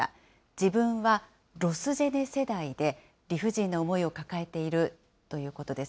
自分はロスジェネ世代で、理不尽な思いを抱えているということです。